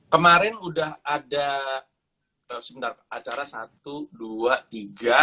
kemarin udah ada sebentar acara satu dua tiga